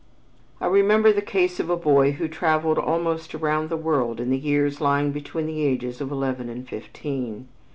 I remember the case of a boy who traveled almost around the world in the years lying between the ages of eleven and fifteen.